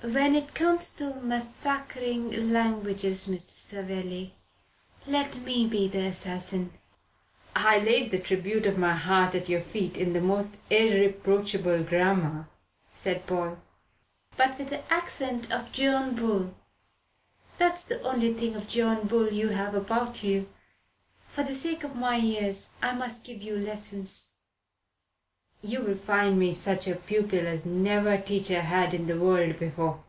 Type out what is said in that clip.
"When it comes to massacring languages, Mr. Savelli, let me be the assassin." "I laid the tribute of my heart at your feet in the most irreproachable grammar," said Paul. "But with the accent of John Bull. That's the only thing of John Bull you have about you. For the sake of my ears I must give you some lessons." "You'll find me such a pupil as never teacher had in the world before.